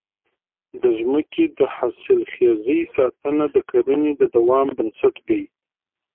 د ځمکې د حاصلخېزۍ ساتنه د کرنې د دوام بنسټ دی.